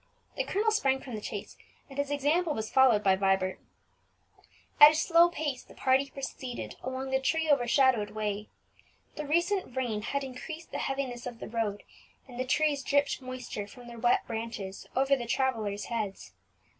The colonel sprang from the chaise, and his example was followed by Vibert. At a slow pace the party proceeded along the tree overshadowed way. The recent rain had increased the heaviness of the road, and the trees dripped moisture from their wet branches over the travellers' heads.